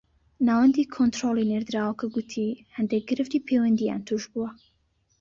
ناوەندی کۆنتڕۆڵی نێردراوەکە گوتی هەندێک گرفتی پەیوەندییان تووش بووە